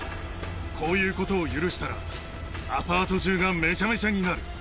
こういうことを許したら、アパート中がめちゃめちゃになる。